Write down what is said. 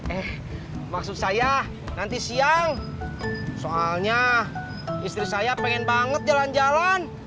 eh maksud saya nanti siang soalnya istri saya pengen banget jalan jalan